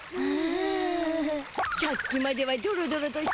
さっきまではドロドロとしてましゅたけど。